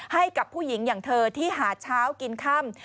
ให้กับผู้หญิงอย่างเธอที่หาเช้ากินค่ำ